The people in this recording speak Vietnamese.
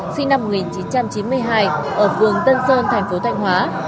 sinh năm một nghìn chín trăm chín mươi hai ở phường tân sơn thành phố thanh hóa